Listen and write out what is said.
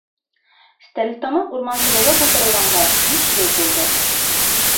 — Стәрлетамаҡ урмансылығы булдырылғанға биш йыл тулды.